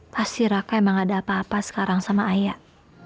pasti raka emang ada apa apa sekarang sama ayah